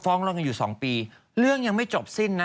เรากันอยู่สองปีเรื่องยังไม่จบสิ้นนะ